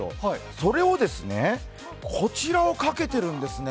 それをですね、こちらをかけてるんですね。